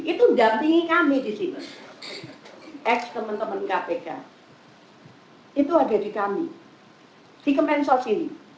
itu dapingi kami di sini ex teman teman kpk itu ada di kami di kemenso sini